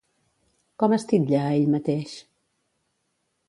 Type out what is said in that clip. Com es titlla a ell mateix?